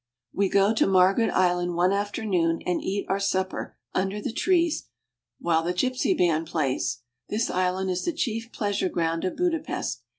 We go to Margaret Island one afternoon, and eat our supper under the trees while the gypsy band plays. This island is the chief pleasure ground of Budapest.